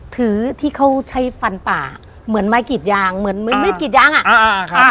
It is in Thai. ถือที่เขาใช้ฟันป่าเหมือนไม้กิดยางเหมือนไม้กิดยางอ่ะ